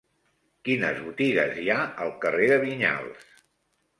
Quines botigues hi ha al carrer de Vinyals?